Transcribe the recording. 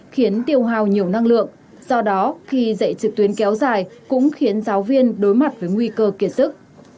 khiến tiêu hào nhiều năng lượng do đó khi dạy trực tuyến kéo dài cũng khiến giáo viên đối mặt với nguy cơ kiệt sức